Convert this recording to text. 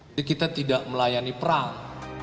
jadi kita tidak melayani perang